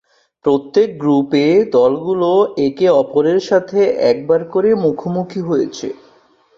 প্রত্যেক গ্রুপে, দলগুলো একে অপরের সাথে একবার করে মুখোমুখি হয়েছে।